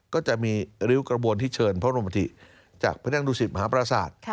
ก็จะมีริ้วกระบวนที่เชิญพระบรมธิจากพระนั่งดุสิตมหาปราศาสตร์